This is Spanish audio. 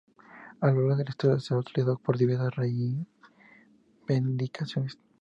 A lo largo de la historia, se ha utilizado para diversas reivindicaciones.